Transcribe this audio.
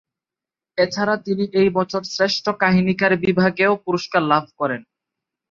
এছাড়া তিনি এই বছর শ্রেষ্ঠ কাহিনীকার বিভাগেও পুরস্কার লাভ করেন।